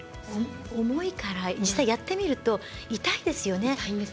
重いから実際やってみると痛いんですね。